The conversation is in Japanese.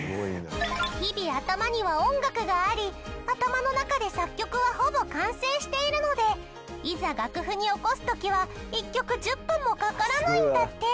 日々頭には音楽があり頭の中で作曲はほぼ完成しているのでいざ楽譜に起こす時は１曲１０分もかからないんだって。